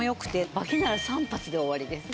脇なら３発で終わりです。